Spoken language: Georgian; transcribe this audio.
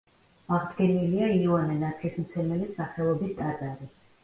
აღდგენილია იოანე ნათლისმცემელის სახელობის ტაძარი.